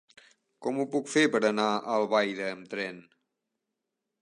Com ho puc fer per anar a Albaida amb tren?